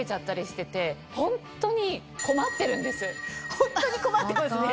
ホントに困ってますね。